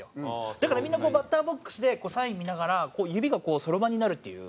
だからみんなバッターボックスでサイン見ながら指がこうそろばんになるっていう。